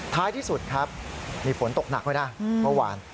ท้ายที่สุดครับมีฝนตกหนักด้วยนะเมื่อวาน